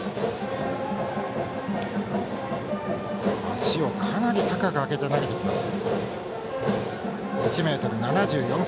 足をかなり高く上げて投げていきます。